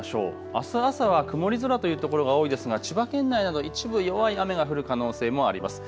あす朝は曇り空というところが多いですが千葉県内など一部弱い雨が降る可能性もあります。